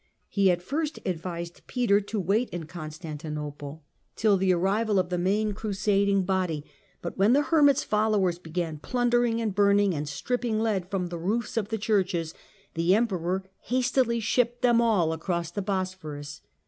He at first advised Peter to wait in Constan 140 THE CENTRAL PERIOD OF THE MIDDLE AGE tinople till the arrival of the main crusading body, but when the Hermit's followers began plundering and burn ing, and stripping lead from the roofs of the churches, the Emperor hastily shipped them all across the Bos phorus.